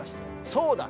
そうだ！